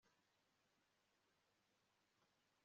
ni jye ngabo itabwira ababisha neza